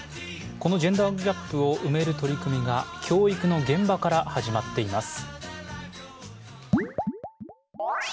このジェンダーギャップを埋める取り組みが教育の現場から始まっています。